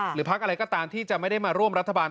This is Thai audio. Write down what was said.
พักอะไรก็ตามที่จะไม่ได้มาร่วมรัฐบาล